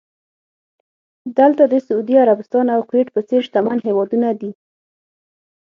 دلته د سعودي عربستان او کوېټ په څېر شتمن هېوادونه دي.